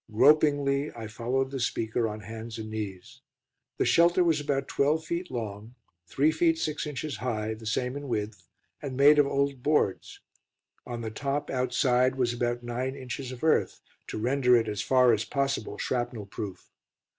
Gropingly, I followed the speaker on hands and knees. The shelter was about 12 feet long, 3 feet 6 inches high, the same in width, and made of old boards. On the top, outside, was about 9 inches of earth, to render it as far as possible shrapnel proof.